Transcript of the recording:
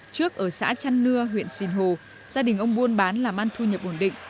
trước ở xã chăn nưa huyện sìn hồ gia đình ông buôn bán làm ăn thu nhập ổn định